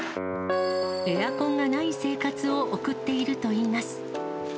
エアコンがない生活を送っているといいます。